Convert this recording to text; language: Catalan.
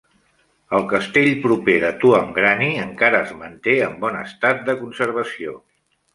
El castell proper de Tuamgraney encara es manté en bon estat de conservació.